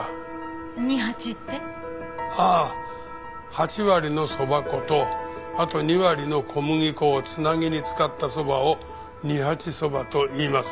８割のそば粉とあと２割の小麦粉をつなぎに使ったそばを二八そばと言います。